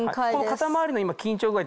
肩回りの緊張具合